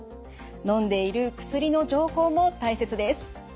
のんでいる薬の情報も大切です。